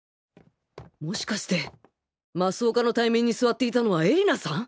もしかして増岡の対面に座っていたのは絵里菜さん！